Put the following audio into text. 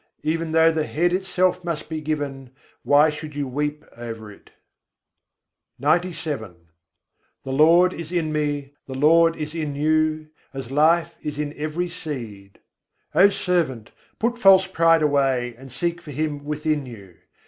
Even though the head itself must be given, why should you weep over it?" XCVII II. 90. sâhab ham men, sâhab tum men The Lord is in me, the Lord is in you, as life is in every seed. O servant! put false pride away, and seek for Him within you.